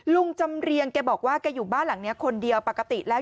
ลุงจำเรียงแกบอกว่าแกอยู่บ้านหลังนี้คนเดียวปกติแล้ว